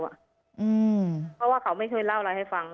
เพราะว่าเขาไม่เคยเล่าอะไรให้ฟัง